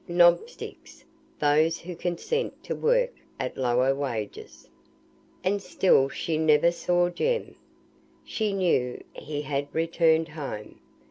[Footnote 44: "Knob sticks," those who consent to work at lower wages.] And still she never saw Jem. She knew he had returned home.